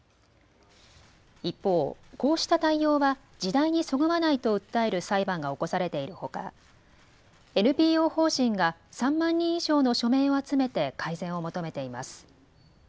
一方、こうした対応は時代にそぐわないと訴える裁判が起こされているほかＮＰＯ法人が３万人以上の署名を集めて改善を求めています。